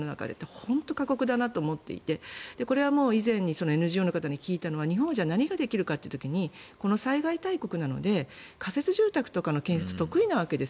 本当に過酷だと思っていて以前、ＮＧＯの方に聞いたのは日本はじゃあ何ができるのかと言ったら日本は災害大国なので仮設住宅とかの建設が得意なわけです。